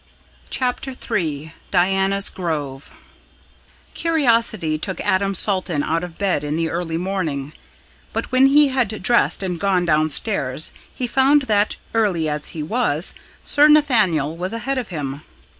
CHAPTER III DIANA'S GROVE Curiosity took Adam Salton out of bed in the early morning, but when he had dressed and gone downstairs; he found that, early as he was, Sir Nathaniel was ahead of him.